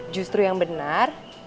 justru yang benar